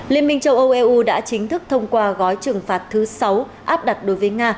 liên minh châu âu eu đã chính thức thông qua gói trừng phạt thứ sáu áp đặt đối với nga